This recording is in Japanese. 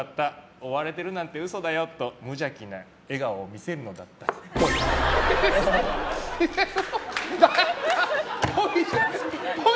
追われてるなんて嘘だよと、無邪気な笑顔を見せるのだったっぽい。